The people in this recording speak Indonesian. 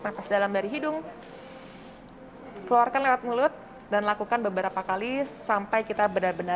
nafas dalam dari hidung keluarkan lewat mulut dan lakukan beberapa kali sampai kita benar benar